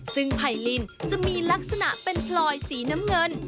ซึ่งไผลินจะมีลักษณะเป็นพลอยสีน้ำเงิน